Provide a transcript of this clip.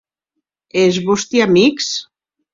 E es vòsti amics?